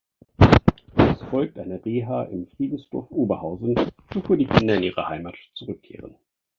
Es folgt eine Reha im Friedensdorf Oberhausen, bevor die Kinder in ihre Heimat zurückkehren.